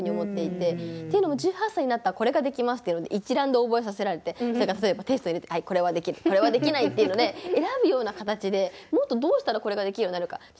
っていうのも１８歳になったらこれができますっていうので一覧で覚えさせられてそれが例えばテストに出てこれはできるこれはできないっていうので選ぶような形でもっとどうしたらこれができるようになるか。